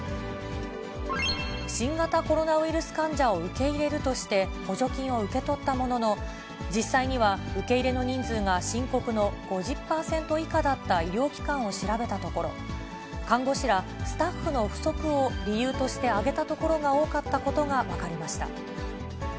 新型コロナウイルス患者を受け入れるとして、補助金を受け取ったものの、実際には受け入れの人数が申告の５０％以下だった医療機関を調べたところ、看護師らスタッフの不足を理由として挙げたことが多かったところが分かりました。